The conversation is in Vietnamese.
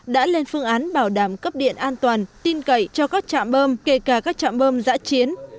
đã lên phương án bảo đảm cấp điện an toàn tin cậy cho các trạm bơm kể cả các trạm bơm giã chiến